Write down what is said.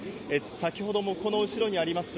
先ほどもこの後ろにあります